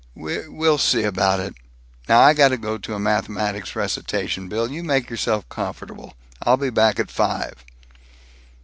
"We we'll see about it. Now I got to go to a mathematics recitation, Bill. You make yourself comfortable, and I'll be back at five."